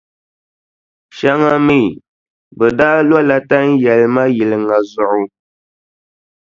Shɛŋa mi, bɛ daa lola tanʼ yɛlima yili ŋa zuɣu.